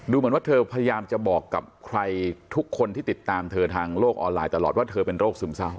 เหมือนว่าเธอพยายามจะบอกกับใครทุกคนที่ติดตามเธอทางโลกออนไลน์ตลอดว่าเธอเป็นโรคซึมเศร้า